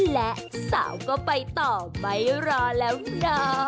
และสาวก็ไปต่อไม่รอแล้วนะ